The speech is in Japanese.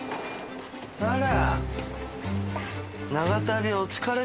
あら。